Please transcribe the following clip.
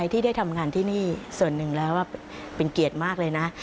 ที่ได้ทำงานที่นี่ส่วนหนึ่งแล้วเป็นเกียรติมากเลยนะ